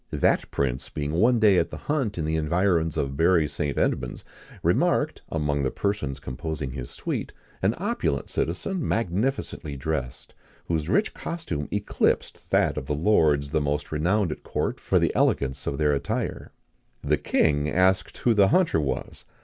That prince being one day at the hunt in the environs of Bury St. Edmunds, remarked, among the persons composing his suite, an opulent citizen magnificently dressed, whose rich costume eclipsed that of the lords the most renowned at court for the elegance of their attire. The king asked who the hunter was.